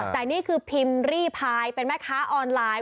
แต่นี่คือพิมพ์รีพายเป็นแม่ค้าออนไลน์